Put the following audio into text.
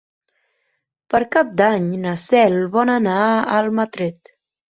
Per Cap d'Any na Cel vol anar a Almatret.